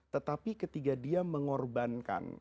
tetapi ketika dia mengorbankan